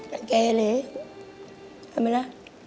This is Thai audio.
แต่แกเลยใช่ไหมนะ